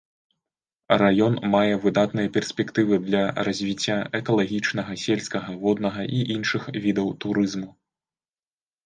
Раён мае выдатныя перспектывы для развіцця экалагічнага, сельскага, воднага і іншых відаў турызму.